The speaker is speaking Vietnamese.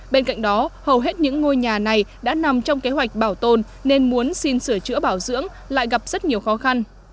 bên cạnh đó hầu hết những ngôi nhà này đã nằm trong kế hoạch bảo tồn nên muốn xin sửa chữa bảo dưỡng lại gặp rất nhiều khó khăn